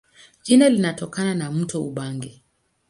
Jina linatokana na mto Ubangi.